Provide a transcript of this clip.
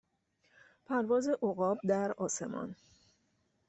پرواز عقاب در آسمان